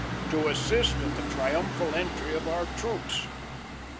To assist at the triumphal entry of our troops!